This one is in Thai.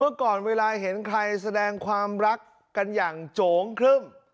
เมื่อก่อนเวลาเห็นใครแสดงความรักกันอย่างโจ๋งครึ่ม